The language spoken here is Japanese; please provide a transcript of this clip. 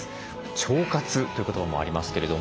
「腸活」という言葉もありますけれども。